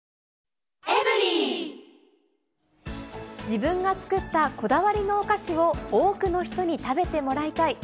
自分が作ったこだわりのお菓子を多くの人に食べてもらいたい。